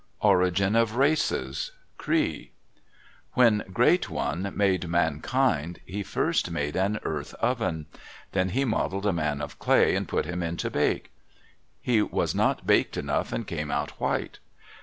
ORIGIN OF RACES Cree When Great One made mankind, he first made an earth oven. Then he modeled a man of clay and put him in to bake. He was not baked enough and came out white.